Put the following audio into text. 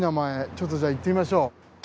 ちょっと行ってみましょう。